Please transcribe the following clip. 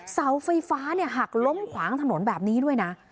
เสาไฟฟ้าหักล้มขวางถนนแบบนี้ด้วยนะ